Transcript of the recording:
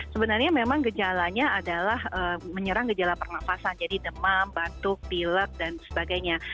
sebenarnya memang gejalanya adalah menyerang gejala pernafasan jadi demam batuk pilek dan sebagainya